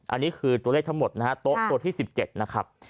อันนี้คือตัวเลขทั้งหมดนะฮะโต๊ะตัวที่๑๗นะครับ